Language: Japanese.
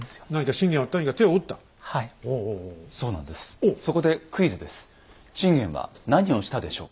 信玄は何をしたでしょうか？